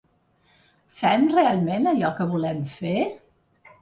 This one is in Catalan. Fem realment allò que volem fer?